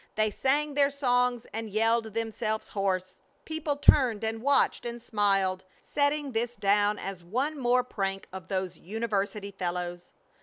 They sang their songs and yelled themselves hoarse. People turned and watched and smiled, setting this down as one more prank of those university fellows.